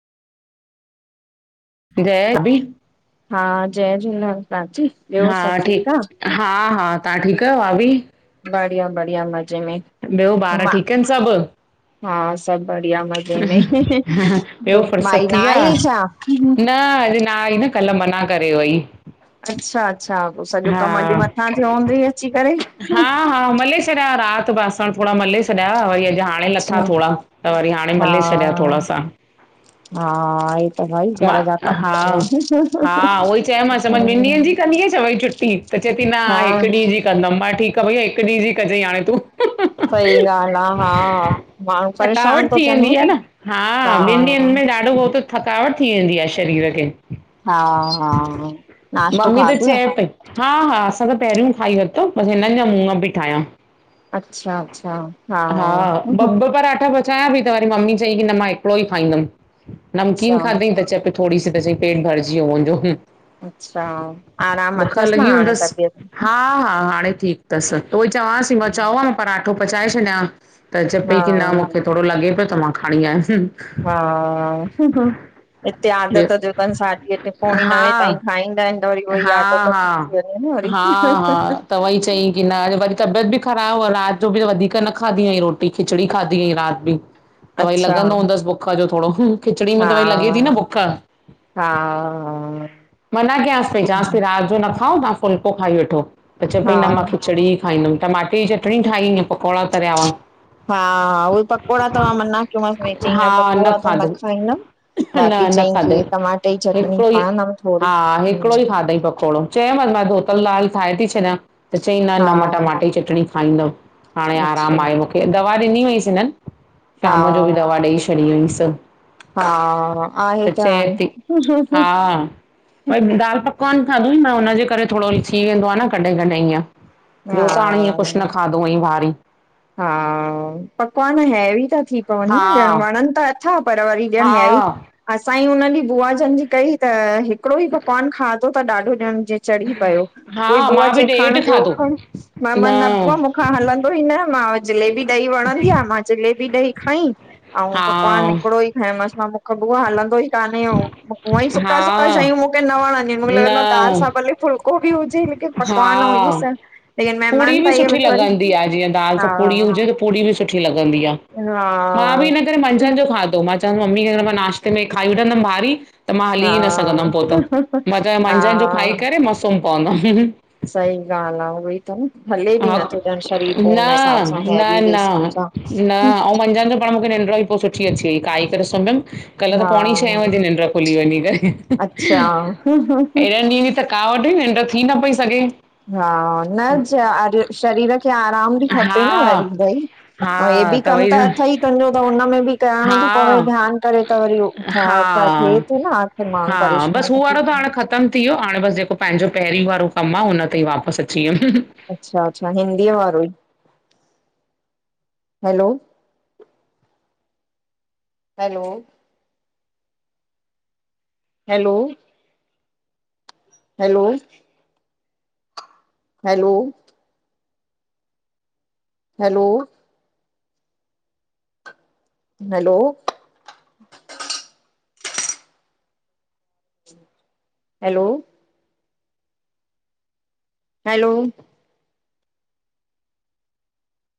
जय बि हा जय झूलेलाल प्राची ॿियो हा सभु आ? ठीकु हा हा तव्हां ठीकु आहियो भाभी बढ़िया बढ़िया मज़े में ॿियो ॿारि मां ठीकु आहिनि सभु हा सभु बढ़िया मस्तु ॿियो फुर्सत न थिया आई छा? न अॼु ना आई न कल्ह मना करे वई अच्छा अच्छा पोइ सॼो हा कमु अॼु मथां थियो हूंदई अची करे हा हा मले छॾिया हा राति बासण थोड़ा मले छॾिया वरी अॼु हाणे लथा अच्छा थोड़ा त वरी हाणे हा मले छॾिया थोड़ा सा हा हे त भई मां घर जा कम हा हा कया। उहोई चयोमासि चयोमासि ॿिनि ॾींहंनि जी कंदीए छा वई छुटी त चए थी न हा हिकु ॾींहुं जी कंदमि मां चयो ठीकु आ भईया हिकु ॾींहुं जी कजाईं हाणे तूं सही ॻाल्हि आ हा माण्हू थकावट परेशान थो थी थियनि वेंदी आ न हा ॿिनि ॾींहंनि में ॾाढो त थकावट थी वेंदी आ शरीर खे हा हा नाश्तो मम्मी त खाधुव चए पई हा हा असां त पहिरियों ई खाई वरितो बसि हिननि जा मूंग पई ठाहियां अच्छा अच्छा हा ब ब पराठा बस चांया पई त वरी मम्मी चई कि न मां हिकिड़ो ई खांईदम, अच्छा नमकीन खादंई चए पई थोड़ी सी त च्यंई पेट भरजी वियो मुंजो हुं अच्छा आराम बुख अथसि न लॻी हाणे हूंदसि, तबियत हा -हा हाणे ठीकु तसि उहोई चवांसि पई मां चओ हां मा पराठो पचाए छॾियां हां। त चए हा पई की न मुखे थोड़ो लॻे पियो त मां खणी आयमि। हा----हं हं। हिते ॿियो आदत जो तनि साढी अठें पोणीं नवें हा ताईं खाईंदा हिनि त वरी उव्होई हा आदत हा थी थी वंञे न हा हा वरी। त व्हई चईं कि न अॼु वरी तबियत बि ख़राबु हुव रात जो बि वधीक न खादी हंई रोटी खिचड़ी खादी हंई राति बि, त वही अच्छा लॻंदो हूंदसि बुख बुख जो थोड़ो खिचड़ी में हा त वई लॻे ती न बुख। हा मना कियांस पई, चवांस पई रात जो न खाओ मा फुल्को खाई वठो, त चए हा पई न मां खिचड़ी ई खाईंदमि टमाटे जी चटणीं ठाही अंऐं पकोड़ा तरिया हुआ। हा उहोई पकोड़ा त मां मना कयोमांस वही हा चंईं पकोड़ा त न खाधई खाईंदमि। न बाक़ी न चईं खाधई, की टमाटे जी चटणी हिकिड़ो ई खणंदमि थोरी हा हिकिड़ो ई हम्म खाधई पकोड़ो। चयोमांस मां धोतल दालि ठाहे थी छॾियां, त चईं न हा न मां टमाटे जी चटणीं खाईंदमि। हाणे आरामु अच्छा आहे अच्छा मुखे, दवा ॾिनी हुवंईसि हिननि हा शाम जो बि दवा ॾई छॾी हुवंईसि। हा आहे त थी हांणे हा भई दाल पकवान खाधो हंई न, हुनजे करे थोड़ो थी वेंदो आ न कॾहिं -कॾहिं ईअं ॿियो त हाणें हींअं कुछु हा न खाधो हुवंईं भारी। हा, पकवान हैवी ता थी पवन न हा ॾियणु, वणनि त अथा पर वरी ॾियणु हा हैवी असांई हुन ॾींहुं बुआ जन जी कई त हिकिड़ो ई पकवान खाधो ता ॾाढो ॼयणु जीं चढ़ी पयो, हा उहोई बुआ मां बि चए खंणु ॾेढ खाधो ॿियो मा मा न बुआ मुखां हलंदो ई न। मां जलेबी ॾही वणंदी आ, मां जलेबी ॾही खंई अंउं हा पकवान हिकड़ो ई खंयोमांस, मां मुखां बुआ हलंदो ई कान्हे हूअंईं हा सुका -सुका शयूं मुखे न वणंदियूं इनि, मुखे लॻंदो आ दाल न सां भले फुल्को को बि हुजे लेकिन हा पकवान अंउं इह्ये सभु लेकिन पूड़ी महिमान बि त इहे सुठी वरी लगंदी आ जीअं दाल दाल सां हा पुड़ी हुजे त पुड़ी बि सुठी लगंदी आ, मां भी हा इन्हे करे मंझंन जो खादो त मम्मी अगर मां नाश्ते में हे खाई वठंदमि भारी त मां हली ई न हा सघंदमि पो त, मां चयो मंझंदि जो खाई हा करे मां सुम्ह पवंदमि। सही ॻाल्ह आ हो उहोई त न हले बि हा नथो ॼणु शरीर पो न उन्ह हिसाब सां हैवी जे हिसाब सां। मंझन जो पाण मुखे निंड्र पो सुठी अची वई खाई करे सुम्हयम कल्ह त हा पोणी छहें वजे निंड्र खुली वंञीं करे, अच्छा हेॾनि ॾींहंन जी थका कावट हुई निंड्र थी न पई सघे। हा। न जा शरीर खे आराम बि खपे हा न वरी भई हा अंउं हे बि कमु वई त न अथई तुंहिंजो त हुनमें बि कइणों तो हा पवई ध्यानु करे त वरी हो छा ता थिए हा तो न त माण्हूं हा परेशान बसि हू ता थी वारो त पव हाणे ख़तमु थी वियो हाणे, बसि जेको पंहिंजो पहिरीं वारो कमु आ हुन ते ई वापसि अची वियमि। अच्छा -अच्छा हिंदीअ वारो ई, hello hello! Hello! Hello! Hello! Hello! Hello! Hello! Hello!